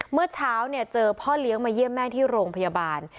เมื่อเช้าเจอพ่อเลี้ยงมาเยี่ยมแม่ที่โรงพยาบาล